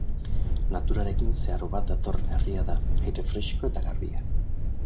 Naturarekin zeharo bat datorren herria da, aire fresko eta garbia.